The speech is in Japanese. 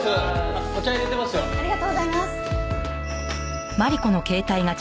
ありがとうございます。